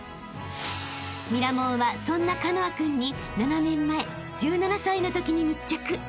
［『ミラモン』はそんなカノア君に７年前１７歳のときに密着］